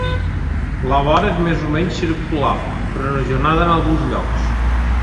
La vora és més o menys circular, però erosionada en alguns llocs.